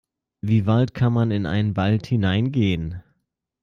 Wie weit kann man in einen Wald hineingehen?